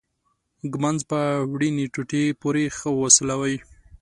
ږمنځ په وړینې ټوټې پورې ښه وسولوئ.